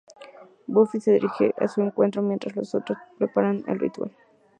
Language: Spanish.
Buffy se dirige a su encuentro mientras los otros preparan el ritual.